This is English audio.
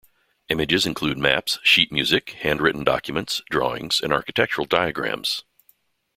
Images include maps, sheet music, handwritten documents, drawings and architectural diagrams.